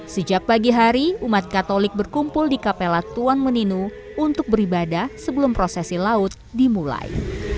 sejak pagi hari umat katolik berkumpul di kapela tuan meninu untuk beribadah sebelum prosesi laut dimulai